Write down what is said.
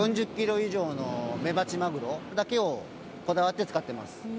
４０キロ以上のメバチマグロだけをこだわって使ってます。